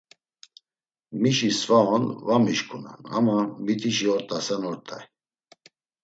Mişi sva on var mişǩunan ama mitişi ort̆asen ort̆ay.